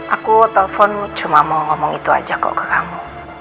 aku telpon cuma mau ngomong itu aja kok ke kamu